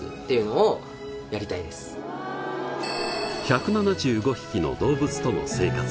みんなに１７５匹の動物との生活。